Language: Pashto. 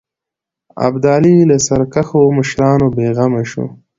ابدالي له سرکښو مشرانو بېغمه شو.